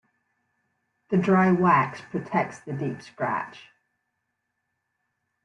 The dry wax protects the deep scratch.